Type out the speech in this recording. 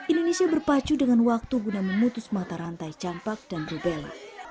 indonesia berpacu dengan waktu guna memutus mata rantai campak dan rubella